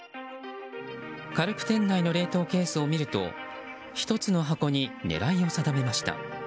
軽く店内の冷凍ケースを見ると１つの箱に狙いを定めました。